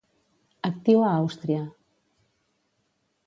Actiu a Àustria.